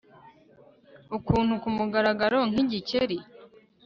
Ukuntu kumugaragaro nkigikeri